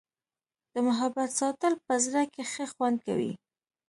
د محبت ساتل په زړه کي ښه خوند کوي.